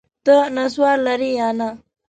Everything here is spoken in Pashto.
ته نسوار لرې یا نه؟